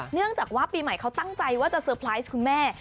เนื่องจากว่าปีใหม่เขาตั้งใจว่าจะเตอร์ไพรส์คุณแม่